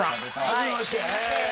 はじめまして。